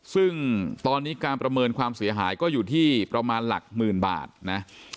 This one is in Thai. ซึ่งตอนนี้การประเมินความเสียหายก็อยู่ที่ประมาณหลักหมื่นบาทนะ